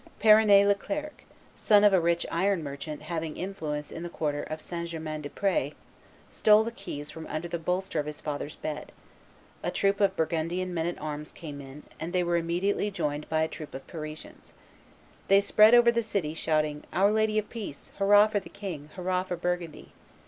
Perrinet Leclerc, son of a rich iron merchant having influence in the quarter of St. Germain des Pros, stole the keys from under the bolster of his father's bed; a troop of Burgundian men at arms came in, and they were immediately joined by a troop of Parisians. They spread over the city, shouting, "Our Lady of peace! Hurrah for the king! Hurrah for Burgundy!